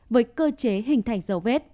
với cơ chế hình thành dấu vết